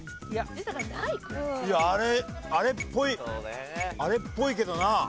いやあれっぽいあれっぽいけどな。